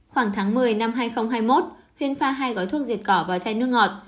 khoảng tháng một mươi năm hai nghìn hai mươi một huyên pha hai gói thuốc diệt cỏ vào chai nước ngọt